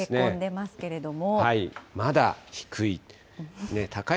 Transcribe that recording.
まだ低い。